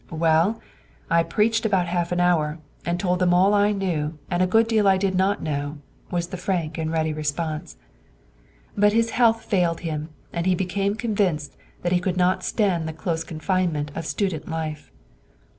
"Well, I preached about half an hour, and told them all I knew, and a good deal I did not know," was the frank and ready response. But his health failed him, and he became convinced that he could not stand the close confinement of student life.